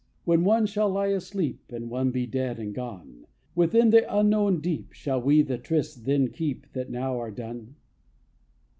When one shall lie asleep, And one be dead and gone Within the unknown deep, Shall we the trysts then keep That now are done?